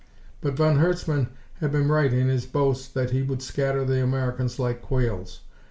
But von Herzmann had been right in his boast that he would scatter the Americans like quails.